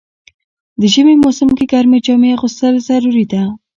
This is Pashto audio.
د ژمی موسم کی ګرمی جامی اغوستل ضروري ده.